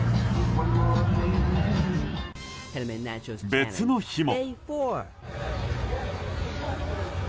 別の日も。